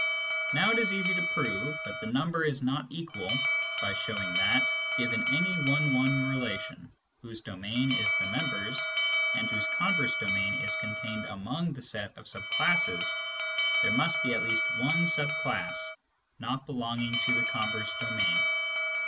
Now it is easy to prove that the number is not equal, by showing that, given any one one relation whose domain is the members and whose converse domain is contained among the set of sub classes, there must be at least one sub class not belonging to the converse domain.